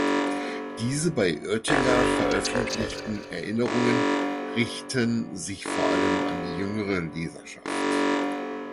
Diese bei Oetinger veröffentlichten Erinnerungen richten sich vor allem an die jüngere Leserschaft.